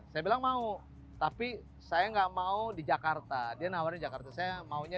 saya bilang mau tapi saya nggak mau di jakarta dia nawarin jakarta saya maunya